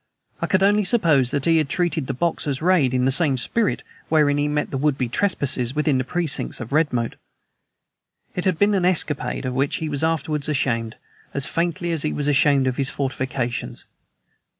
I could only suppose that he had treated the Boxers' raid in the same spirit wherein he met would be trespassers within the precincts of Redmoat. It had been an escapade, of which he was afterwards ashamed, as, faintly, he was ashamed of his "fortifications."